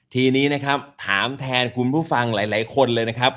ทีนี้นะครับถามแทนคุณผู้ฟังหลายคนเลยนะครับ